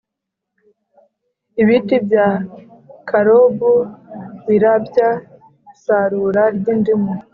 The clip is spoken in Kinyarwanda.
Ibiti bya karobu birabya Isarura ry indimu